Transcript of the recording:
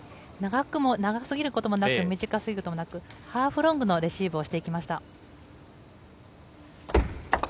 長すぎることもなく、短すぎることもなく、ハーフロングのレシーブをしていきました。